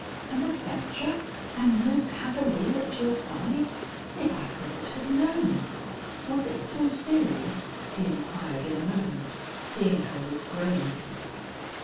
"An adventure! and no cavalier at your side! If I could but have known! Was it so serious?" he inquired in a moment, seeing her look grave.